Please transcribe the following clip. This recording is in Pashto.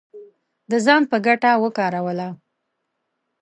د ځان په ګټه وکاروله